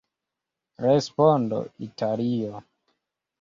Respondo: Italio!